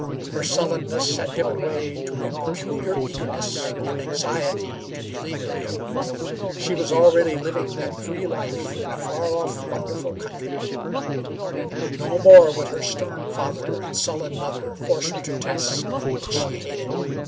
Her sullenness had given way to a peculiar eagerness and anxiety to believe in him. She was already living that free life in a far off, wonderful country. No more would her stern father and sullen mother force her to tasks which she hated.